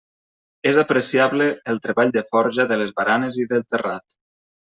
És apreciable el treball de forja de les baranes i del terrat.